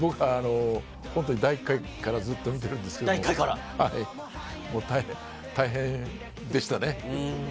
第１回からずっと見ているんですけれど、大変でしたね。